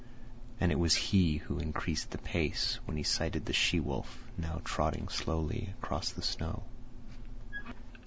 And it was he who increased the pace when he sighted the she wolf, now trotting slowly across the snow.